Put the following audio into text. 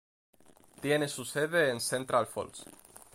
Tiene su sede en Central Falls.